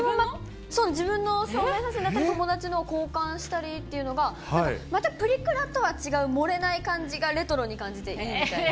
自分の証明写真だったり、友達のと交換したりっていうのが、またプリクラとは違う、盛れない感じがレトロに感じていいみたいな。